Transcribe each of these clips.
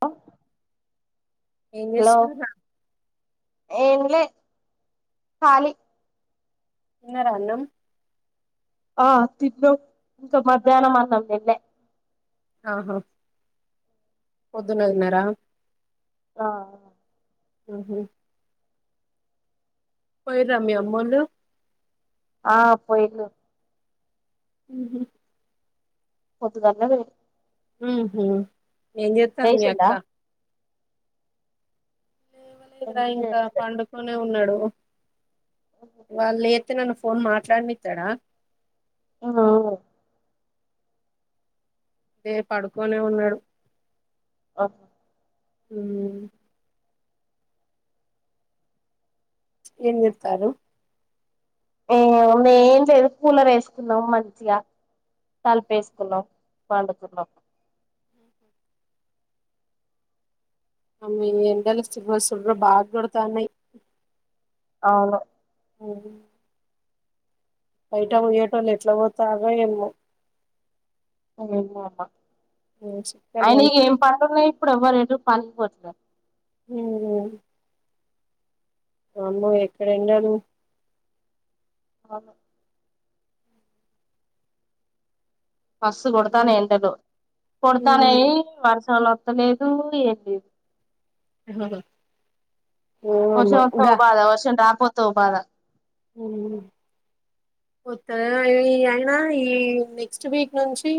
హ ఏం చేస్తున్నరా ఏంలే కాాలి తిన్న రాన్నం ఆ తిన్నం ఇంకా మధ్యాహ్నం అన్నం తిన్లే ఆహా పొద్దున్నదిన్నారా ఆ ఆహా పోయిరా మి అమ్మూలు ఆ పోయిలు ఉహూ పొద్దుగాల్నే పోయి ఊహు ఏం చేత్తాంది మీ అక్క లేసిందా లేవలేదురా ఏముంది ఇంకా పండుకునే వున్నడు వాల్లె తే నన్ను ఫోన్ మాట్లాడ నిత్తడా ఆ అదే పడుకొనే ఉన్నాడు అ హ ఊ ఏం చెప్తారు ఏ మేం చేదు కూలరేసుకున్నాం మంచిగా తలుపేసుకున్నాం వండుకున్నాం అమ్మ ఏమి ఎండలు సుర్ర సుర్ర బాగ్గొడతన్నయ్ అవును అవును బయట బొయ్యేటోళ్ళు ఎట్లా పోతారొ ఏమొ మామ మ్మ్. చుక్కలు ఆయన ఇగ కనిపి ఏం పన్లున్నాయి ఇప్పుడు ఎవ్వరుె పనికి పోతివ ఊహు అమ్మో ఎక్కడెండడు అవును మస్తు గొడతానే ఎండలు కొడతానే వర్షంలో అతలేదు ఏం లేదు ఆ వర్షం వత్తే ఒగ బాధ వర్షం రాకపో తోబాద ఊ వత్త అయినా ఈ నెక్స్ట్ వీక్ నుంచి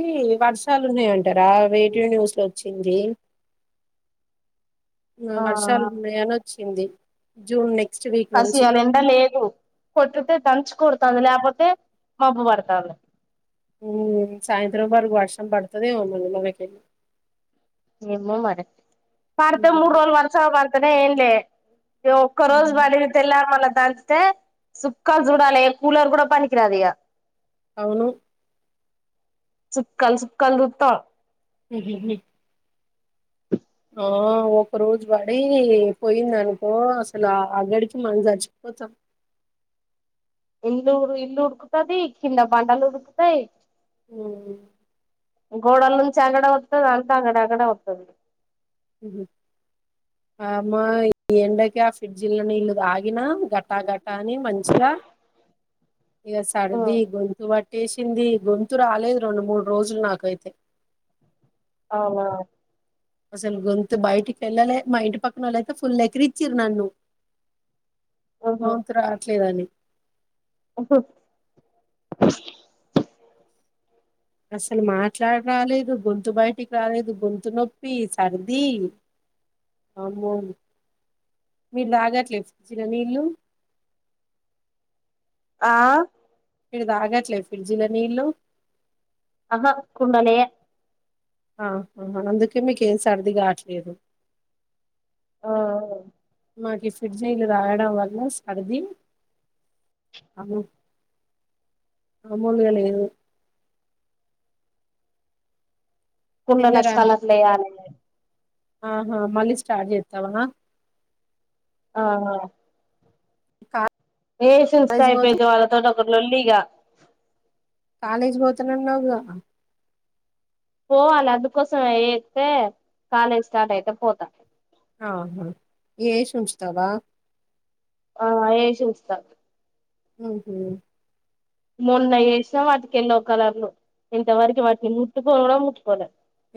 వర్షాలు ఉన్నాయంటారా వేటివ్ న్యూస్ లో వచ్చింది వర్షాలు ఆ ఉన్నాయానొచ్చింది ంది జూన్ న అసలియాల ఎండ లేదు కొట్టితే దంచుకో తంది లేకపోతే మబ్బు పడతంది ఉమ్ సాయంత్రం వరకు వర్షం పడుతదేమో మల్లి మనకి ఏమో మరి పడుతే మూడు రోజులు వరసగా పాడ్ కదా ఏంలే ఇగ ఒక్క రోజు ఉమ్. పడి తెల్లారి మల్ల దంచితే చుక్కలు చూడాలి ఏ కూలర్ కూడా పనికి రాదు ఇగ అవును చుక్కల్ చుక్కల్ చూస్తా ఉ ఆ ఒక రోజు పడి పోయింది అనుకో అసలు ఆ అగడికి మన చచ్చిపోతాం ఇల్లు ఇల్లు ఉడుకుతది కింద బండలు ఉడుకుతాయి ఉ గోడల నుంచి అక్కడ వతది అంతా అక్కడ అక్కడ వతది అమ్మా ఈ ఎండకి ఆ ఫ్రిడ్జ్లో నీళ్ళు తాగిన ఘటా ఘట్ కానీ మంచిగా ఇగా సర్ది గొంతు పట్ ట్టేసింది గొంతు రాలేదు రెండు మూడు రోజులు నాకైతే అవునా అసలు గొంతు బయటికి ఏళ్ళాలే మా ఇంటి పక్కనోళ్ళయితే ఫుల్ ఎక్కిరిచిర్రు నన్ను గొంతు రావట్లేదని ఓహో అసలు మాట్లాడి రాలేదు గొంతు బయటికి రాలేదు గొంతు నొప్పి సర్ది అమ్మో మీరు తాగట్లే ఫ్రిడ్జ్లో నీళ్లు ఆ మీరు తాగట్లే ఫ్రిడ్జ్లో నీళ్లు అహ కుండలియే ఆ అందుకే మీకు ఏం సర్ది కాట్లేదు ఆ మాకు ఈ ఫ్రిజ్ నీళ్లు తాగడం వల్ల వల్ల సర్ది వామ్మో మామూలుగా లేదు కుండలకు తిన్నరా కలర్లేయాలి ఆహా మళ్ళీ స్టార్ట్ చేతవా ఆహా కా ఏషియన్ స్టైఫేజ్ వాళ్లతోటి తో లొల్లి ఇగ కాలేజీ పోతున్నానవ్ గా పోవాలి అందుకోసం ఏతే కాలేజ్ స్టార్ట్ అయితే పోతా ఆహా ఏసి ఉంచుతావా ఆ ఏసి ఉంచుతా ఉహు మొన్న ఏసినా వాటికి ఎల్లో కలర్లు ఇంతవరకు వాటిని ముట్టుకోను గుడా ముట్టుకోల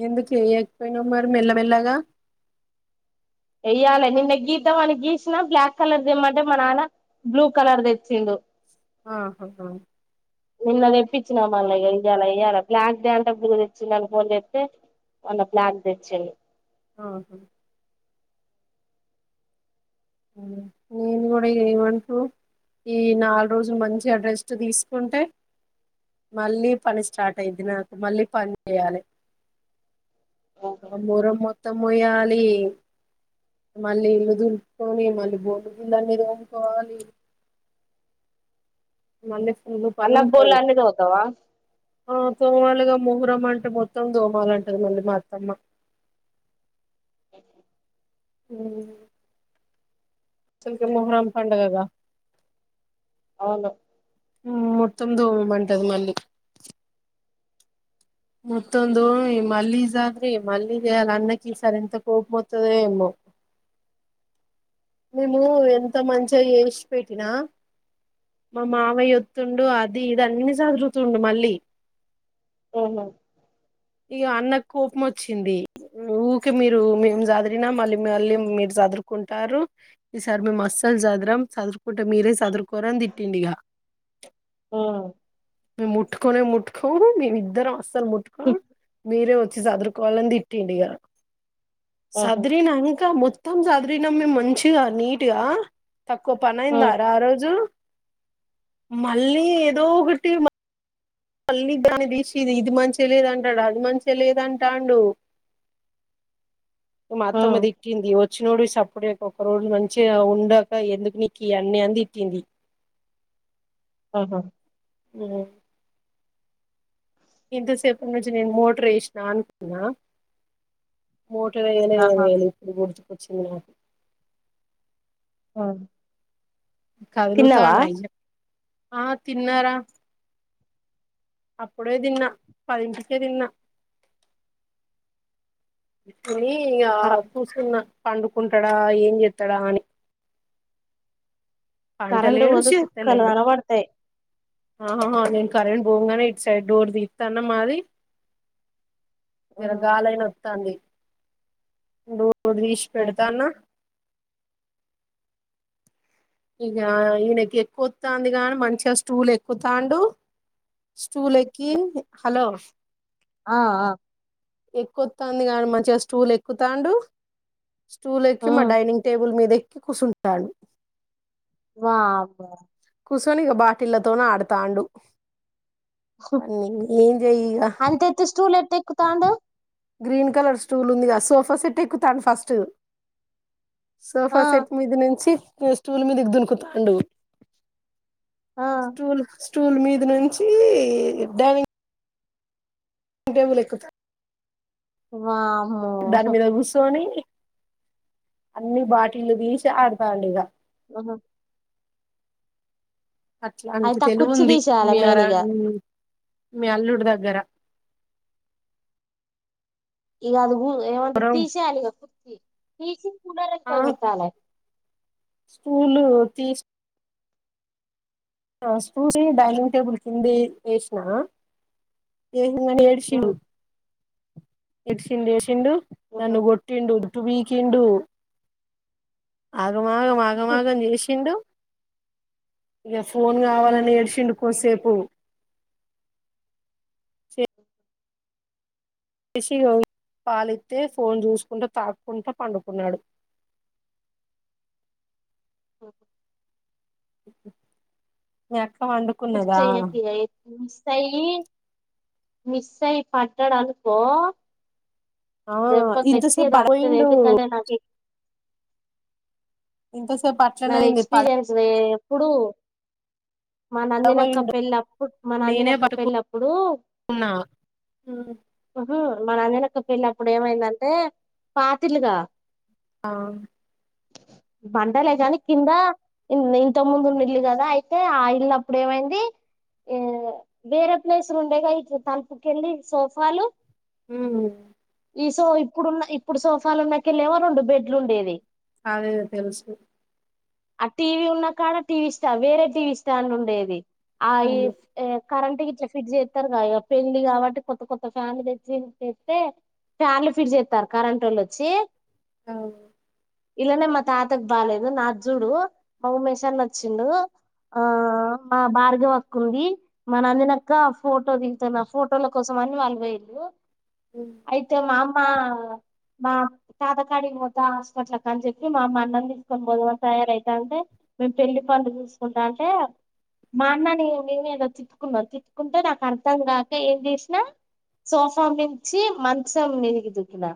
ఎందుకు ఏయ్యాకపోయినావు మరి మెల్లమెల్లాగా యేయ్యాలె నిన్న గిదం అని గీసినా బ్లాక్ కలర్ తెమ్మంటే మ నాన్న బ్లూ కలర్ తెచ్చిండు ఆహాహా నిన్న తెప్పించినా మల్ల ఇగ ఏం చేయ్యాల ఏ య్యాలా బ్లాక్ తే అంటే బ్లూ తెచ్చిండని అని ఫోన్ చెతే మల్ల బ్లాక్ తెచ్చిండు. ఆహా నేను కూడా ఏమంటూ ఈ నాలుగు రోజులు మంచి గా రెస్ట్ తీసుకుంటే. మళ్ళీ పని స్టార్ట్ అయిది నాకు మళ్ళీ పని చేయాలి. ఆ మోరమ్మ మోత్త మోయాలి మళ్ళీ ఇల్లుదుల్ ని మళ్ళీ బోర్లు బిల్లనేదిమ్ముకోవాలి మల్లి మాల్ల బోర్లన్నీ తోముతావా ఆహ్ తోమాలిగా మొహురం అంటే మొత్తం తోమల అంటది మళ్ళీ మా అత్తమ్మ ఉహ్ చంద్ర మొహరం పండగగా అవును మొత్తం దోమమంటది మళ్ళీ మొత్తం దోమి, మల్లీజద్రి, మల్లీ చెయ్యాలా అన్నకి ఈసారి ఎంత కోపమత్తదొఎమో మేము ఎంత మంచిగా చేసి పెట్టినా మా మావయ్య యోత్తుండు అది ఇది అన్ని చదురూతుండు మళ్ళీ ఆహ ఇగా అన్నకు కోపం వచ్చింది. ఊకె మీరు మేము చదిరినా మళ్ళీ మళ్ళీ మీరు చదురుకుంటారు. ఈ సరి మేమస్సలు సద్రం సదురుకుంటే మీరే సదురుకోరని తిట్టిండిగా. ఆహ్ ముట్టుకోనే ముట్టుకొం మేమిద్దరం వస్ అసలు ముట్టుకోం మీరే వచ్చి చదురుకోవాలిని. తి టీండిగా ఉహు సదరిని నంకా మో త్తం సాధిరినం మేం మంచి గా నీట్గా తక్కువ పని ఊ అయిందారా. ఆ రోజు మళ్ళీ ఏదో ఒకటి మళ్లీ దాని తీసి ఇది మంచిగా లేదంటాడు. అది మంచిగా లేదంటండు మా ఊ అత్తమ్మ దిట్టిింది. వచ్చినోడివి సప్ డిచేయక ఒక్క రోజు మంచిగా ఉండాక ఎందుకు నీకు ఈ అన్ని అని తిట్టింది. ఆహా ఉహ్మ్ ఇంతసేపటి నుంచి నేను మోటర్ ఎసినా అనుకున్నా. మోటార్ వేయ్యాలె ఏం ఆహా ఏయ్యలే ఇప్పుడు గుర్తుకొచ్చింది. నాకు ఉహ్మ్ కదులతండా ఇంట్లక్ ఆ తిన్నారా అప్పుడే తిన్న పదిం తిన్న పోయి ఇంగా కర కూసున్నా పండుకుంటాడా ఏం చేతడా అని కరెంటు పంటలేడు పోతే సుక్కలు కనబడతాయి. ఆహా ఆహా నేను కరెంట్ పోంగానే ఇటు సైడ్ డోర్ తీిత్తాన మాది జర ఆహా గాాలైనా డి తీష్ ఆహా పెడతాన్న ఇక ఈయనకి ఎక్కువతుంది కాని మంచిగా స్టూలు ఎక్కుతాండు స్టూలు ఎక్కి హలో ఆ ఆ ఎక్కువతుంది కానీ మంచిగా స్టూలు ఎక్కుతాండు స్టూల్ ఎక్కి మా ఉమ్ డైనింగ్ టేబుల్ మీద కుసుంటాండు వా వా కుసోనిగ బాటిళ్లతోన ఆడతాండు పన్నీ ఎం చెయఇగ ఎక్కుతాండు గ్రీన్ కలర్ స్టూల్ ఉందిగా సోఫా సెట్ ఎక్కుతాండు ఫస్ట్ సోఫా ఆ సెట్ మీద నుంచి ఫెస్టివల్ మీదికి దునుకుతాండు ఆ స్టూల్ స్టూల్ మీద నుంచి డైనింగ్ అడి వికు [unintelligible] వా దాని మీద కూర్చొని అన్నిీ బాటిలు తీసి ఆడతాండి ఇక ఆహ అట్లా అంటి అయితే ఆ తెలివు కుర్చీ ఉంది తీసేయాలి మీ మెయిన్ ఇగ మీ అల్లుడు దగ్గర ఇలా అదు ఏమండ రం తీసైయాలిగ తీసి [unintelligible] పల ర స చాల స్కూలు తీస్ స్కూల్ డైనింగ్ టేబుల్ కింది వేసిన ఇంగ నేడ్చిండు ఎడ్చిండ్ ఎడ్చిండు నన్ను గొట్టిండు పీకిండు ఆ ఆగమాగం ఆగమాగం జేషిండు ఫోన్ కావాలని ఏడ్చిండు కోసేపు చేసిజ పాలిత్తే ఫోన్ చూసుకుంటూ తాక్కుంటా పండుకున్నాడు ఉ ఎ వండుకున్నదా మిస్సై మిస్సై పడ్డడు అనుకో ఆ దెబ్బ గట్టిగా ఇంతసేపు తాకుతది పడబోయిండు ఎందుకంటే నాకి ఇంతసేపు అట్లనే నాది అయింది ఎక్స్పీరియన్స్ రే ఇప్పుడు మా నందిని అక్క పడబోయిండు పెళ్ళప్పుడు మా నందిని నేనే అక్క పడుకున్నా పెళ్ళప్పుడు ఉహు మా నందిని అక్క పెళ్లప్పుడు ఏమైందంటే పాతిళ్లుగా ఆ బన్ లేదని కింద ఇంత ముందున్న ఇల్లు కదా అయితే ఆ ఇళ్లప్పుడు ఏమైంది వేరే ప్లేస్లు ఉండేగా ఇ తలుపుకెళ్ళి సోఫాలు ఉ ఈ సో ఇప్పుడున్న ఇప్పుడు సోఫాలు ఉన్నాకి వెళ్ళవా రెండు బెడ్లు ఉండేది అదే తెలుసు ఆ టీవీ ఉన్నా కాడ టీవీ స్టాం వేరే టీవీ స్టాండ్ ఉండేది ఆయిస్ ఏ కరెంట్ ఇట్లా ఫిట్ చేస్తారు పెళ్లి కాబట్టి కొత్త కొత్త ఫ్యాన్లు తెచ్చిస్తే ఫ్యాన్లు ఫిట్ చేస్తారు కరెంట్ వాళ్ళు వచ్చి అవు ఇళ్లనే మా తాత్ అంతకు బాలేదు నాద్ జుడు మా మషాని నచ్చిండు ఆ మా బార్గవక్క ఉంది మా నందినక్క ఫోటో దిగుతాను ఆ ఫోటోల కోసం అన్ని వాళ్ళు వోల్లు అయితే మామ్ మా మా తాతకాడి పోత హాస్పిటల్ కాడికి అని చెప్పి మా అ అన్న తీసుకొని పోదామని తయారవుత అంటే మేము పెళ్లి పనులు చూసుకుంటా అంటే మా అన్నని నేను ఏదో తిట్టుకున్నా తిట్కుంటే నాకు అర్థం కాక ఏం చేసినా సోఫా మించి మంచం మీదికి దూకినా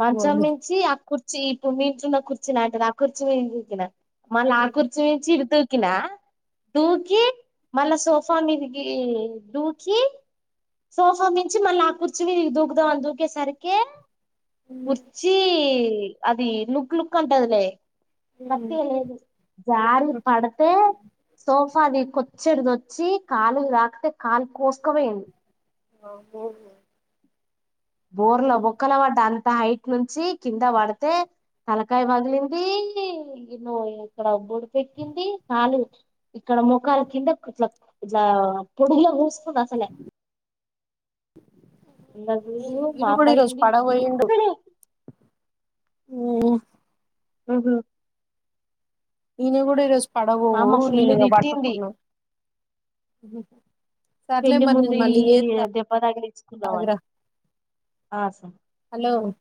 మంచం మించి ఆకుర్ ఇప్పుడు మీ ఇంట్ల ఉన్న కుర్చీ లాంటిద కుర్చీ మీదకి దూకిన మళ్ళా ఆ కుర్చీ నుంచి ఇటు దూకి కినా దూకి మళ్ళా సో ఫా మీదకి దూకి సోఫా మించి మళ్ల ఆ కుర్చీ మీదకి దూకుదం అని దూకేసరికిే కుర్చీ అది లుక్ లుక్ అంటదిలే జారి పడతే సోఫాది కొ చ్చడిదొచ్చి కాలు రాకతే కాలు కోస్త [unintelligible] [unintelligible] బోర్లో బొక్కల పడ్డ అంత హైట్ నుంచి కింద పడితే తలకాయ పగిలింది ఎన్నో ఇక్కడ బొడిపె ఎక్కింది కాలు ఇక్కడ ముఖాలు కింద ఇట్లా ఇట్లా పొడిలో కూస్తుంది అసలే చూడు మా వీడు కూడా అమ్మాయి ఈరోజు ఏంది పడ పోండు మ్మ్ ఉహు ఇని కూడా ఈ రోజ్ మా పదభోవు అమ్మ ఫుల్ నేను ఇడా తిట్టింది పాటుకున్నా అ [unintelligible] ముందు ఈ దెబ్బదాగిలిచ్చుకుందామనే ఆగురా అ సార్ ఓ